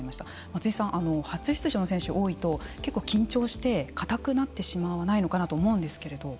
松井さん、初出場の選手が多いと結構緊張してかたくなってしまわないのかなと思うんですけれども。